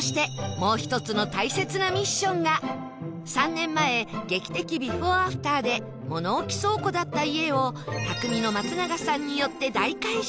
もう一つの大切なミッションが３年前『劇的ビフォーアフター』で物置倉庫だった家を匠の松永さんによって大改修